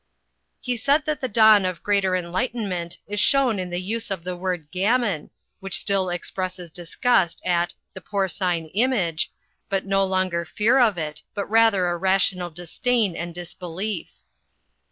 He said that the dawn of greater enlightenment is shown in the use of the word "gammon," which still expresses disgust at "the porcine image," but no longer fear of it, but rather a rational disdain and disbelief.